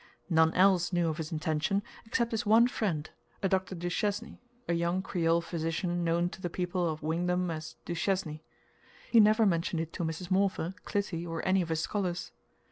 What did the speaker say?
None else knew of his intention except his one friend, a Dr. Duchesne, a young Creole physician known to the people of Wingdam as "Duchesny." He never mentioned it to Mrs. Morpher, Clytie, or any of his scholars.